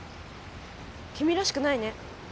きみらしくないね。